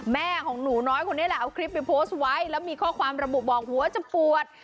แม่ของหนูน้อยคนนี้แหละเอาคลิปไปโพสต์ไว้แล้วมีข้อความระบุบอกหัวจะปวด